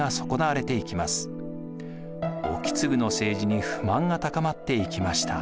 意次の政治に不満が高まっていきました。